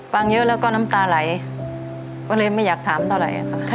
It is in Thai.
ฟังเยอะแล้วก็น้ำตาไหลก็เลยไม่อยากถามเท่าไหร่ค่ะ